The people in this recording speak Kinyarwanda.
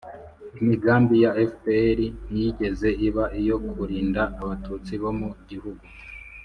imigambi ya fpr ntiyigeze iba iyo kurinda abatutsi bo mu gihugu